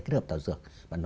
kết hợp tạo dược